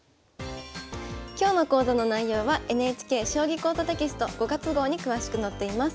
今日の講座の内容はＮＨＫ「将棋講座」テキスト５月号に詳しく載っています。